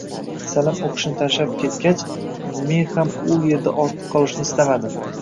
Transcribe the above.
Salim oʻqishni tashlab ketgach, men ham u yerda ortiq qolishni istamadim.